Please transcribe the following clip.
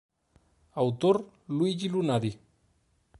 Autor: Luigi Lunari